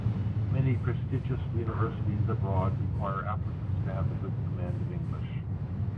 Many prestigious universities abroad require applicants to have a good command of English.